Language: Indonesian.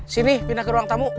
sini pindah ke ruang tamu